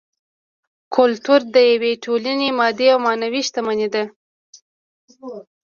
کولتور د یوې ټولنې مادي او معنوي شتمني ده